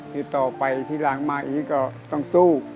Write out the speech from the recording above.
ติดต่อไปทีหลังมาอีกก็ต้องสู้